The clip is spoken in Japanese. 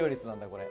これ。